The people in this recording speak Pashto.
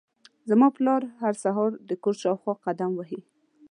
زما پلار هر سهار د کور شاوخوا قدم وهي.